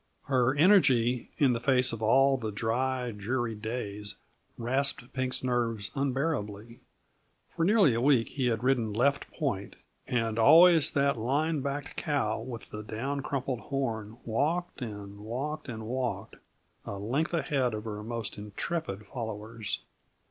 Her energy, in the face of all the dry, dreary days, rasped Pink's nerves unbearably. For nearly a week he had ridden left point, and always that line backed cow with the down crumpled horn walked and walked and walked, a length ahead of her most intrepid followers.